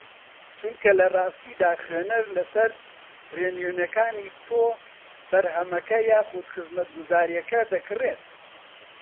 چونکە لەڕاستیدا خوێنەر لەسەر ڕێنوینییەکانی تۆ بەرهەمەکە یاخوود خزمەتگوزارییەکە دەکڕێت